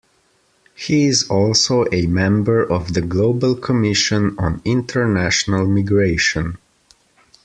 He is also a member of the Global Commission on International Migration.